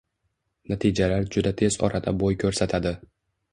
natijalar juda tez orada bo‘y ko‘rsatadi